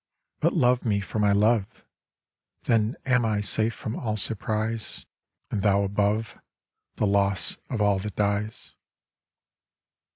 But love me for my love, Then am I safe from all surprise, And thou above The loss of all that dies.